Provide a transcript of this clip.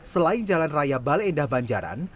selain jalan raya balendah banjaran